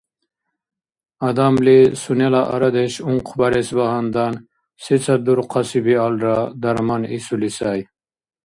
Адамли сунела арадеш ункъбарес багьандан, сецад дурхъаси биалра дарман исули сай.